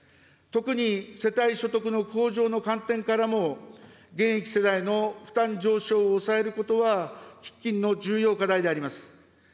特に、世帯所得の向上の観点からも、現役世代の負担上昇を抑えることは喫緊の重要課題であります。